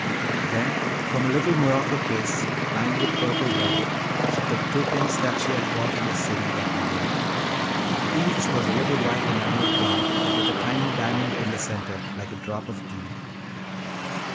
Then from a little morocco case, lined with purple velvet, she took two pins that she had bought in the city that morning. Each was a little white enamel flower with a tiny diamond in the centre, like a drop of dew.